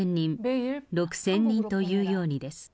３０００人、６０００人というようにです。